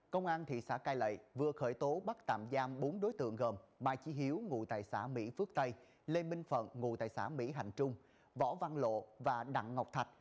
công an thị xã cai lậy vừa khởi tố bắt tạm giam bốn đối tượng gồm mai trí hiếu ngụ tại xã mỹ phước tây lê minh phận ngụ tại xã mỹ hạnh trung võ văn lộ và đặng ngọc thạch